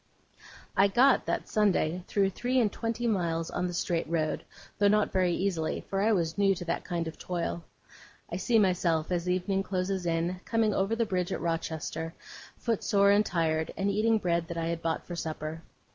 I got, that Sunday, through three and twenty miles on the straight road, though not very easily, for I was new to that kind of toil. I see myself, as evening closes in, coming over the bridge at Rochester, footsore and tired, and eating bread that I had bought for supper.